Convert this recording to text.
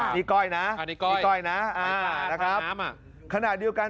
นี่ก้อยนะนี่ก้อยนะขณะเดียวกัน